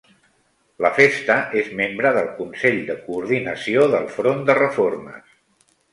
La festa és membre del Consell de coordinació del front de reformes.